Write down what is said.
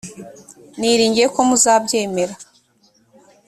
niringiye ko muzabyemera